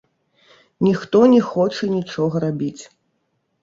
Ніхто не хоча нічога рабіць.